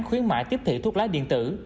khuyến mại tiếp thị thuốc lá điện tử